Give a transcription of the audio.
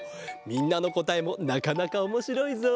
みんなのこたえもなかなかおもしろいぞ。